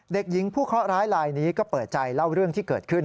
เด็กหญิงผู้เคาะร้ายลายนี้ก็เปิดใจเล่าเรื่องที่เกิดขึ้น